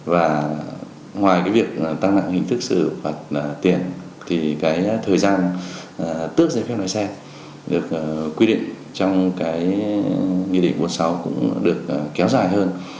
và ngoài việc tăng nặng hình thức xử phạt tiền thì thời gian tước dây phép đòi xe được quy định trong nghị định bốn mươi sáu cũng được kéo dài hơn